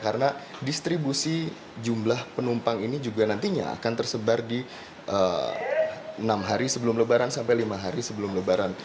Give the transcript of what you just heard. karena distribusi jumlah penumpang ini juga nantinya akan tersebar di enam hari sebelum lebaran sampai lima hari sebelum lebaran